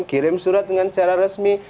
kirim surat dengan secara resmi